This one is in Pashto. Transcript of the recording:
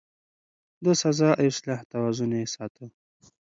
د سزا او اصلاح توازن يې ساته.